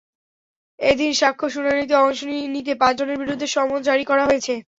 এদিন সাক্ষ্য শুনানিতে অংশ নিতে পাঁচজনের বিরুদ্ধে সমন জারি করা হয়েছে।